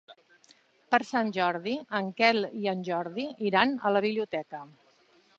Per Sant Jordi en Quel i en Jordi iran a la biblioteca.